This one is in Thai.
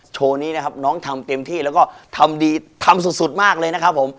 โชว์นี้นะครับน้องทำเต็มที่แล้วก็ทำดีทำสุดมากเลยนะครับผม